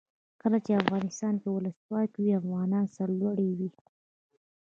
کله چې افغانستان کې ولسواکي وي افغانان سرلوړي وي.